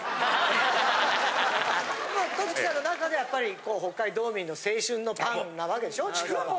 戸次さんの中でやっぱり北海道民の青春のパンなわけでしょちくわぱん。